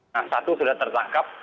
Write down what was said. nah satu sudah tertangkap